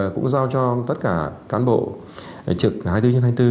cũng giao cho tất cả cán bộ trực hai mươi bốn trên hai mươi bốn